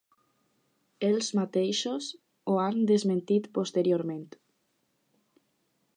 Ells mateixos ho han desmentit posteriorment.